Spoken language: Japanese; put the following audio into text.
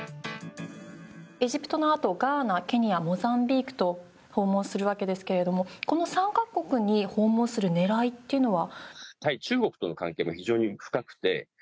エジプトのあとガーナ、ケニアモザンビークと訪問するわけですがこの３か国に訪問する狙いというのは？